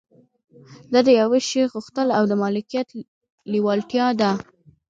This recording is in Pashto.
دا د يوه شي غوښتل او د مالکيت لېوالتيا ده.